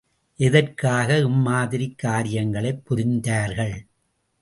எதற்காக இம்மாதிரிக் காரியங்களைப் புரிந்தார்கள்?